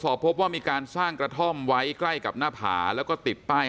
พบว่ามีการสร้างกระท่อมไว้ใกล้กับหน้าผาแล้วก็ติดป้าย